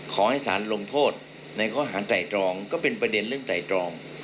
ขอให้สารลงโทษในข้อหารไตรตรองก็เป็นประเด็นเรื่องไตรตรอง